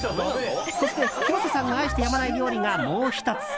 そして、広瀬さんが愛してやまない料理がもう１つ。